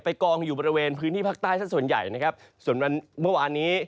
กองอยู่บริเวณพื้นที่ภาคใต้สักส่วนใหญ่นะครับส่วนวันเมื่อวานนี้